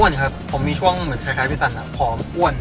อ้วนครับผมมีช่วงเหมือนคล้ายพี่สันอ่ะพร้อมอ้วน